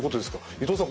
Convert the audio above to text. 伊藤さん